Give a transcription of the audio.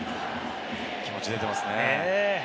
気持ち出てますね。